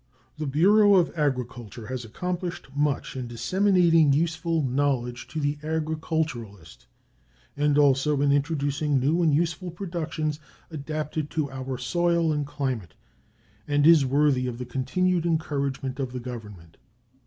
The Bureau of Agriculture has accomplished much in disseminating useful knowledge to the agriculturist, and also in introducing new and useful productions adapted to our soil and climate, and is worthy of the continued encouragement of the Government.